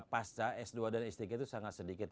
pasca s dua dan s tiga itu sangat sedikit